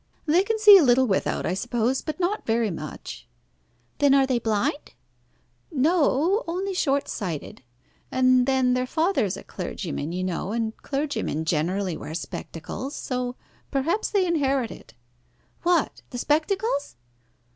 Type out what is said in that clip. "They can see a little without, I suppose, but not very much." "Then are they blind?" "No, only short sighted. And then their father is a clergyman, you know, and clergymen generally wear spectacles. So perhaps they inherit it." "What! the spectacles?"